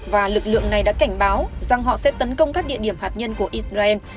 và lực lượng này đã cảnh báo rằng họ sẽ tấn công các địa điểm hạt nhân của israel